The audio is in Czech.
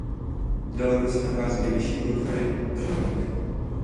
Nedaleko se nachází nejvyšší bod hory Trnovník.